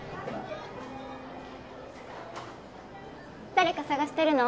誰か探してるの？